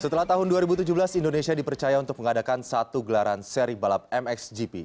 setelah tahun dua ribu tujuh belas indonesia dipercaya untuk mengadakan satu gelaran seri balap mxgp